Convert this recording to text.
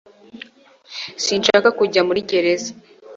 Sinshaka kujya muri gereza